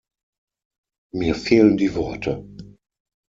Mir fehlen die Worte!